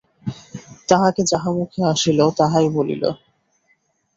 তাহাকে যাহা মুখে আসিল তাহাই বলিল।